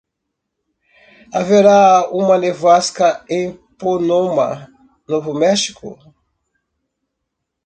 Haverá uma nevasca em Pomona? Novo México?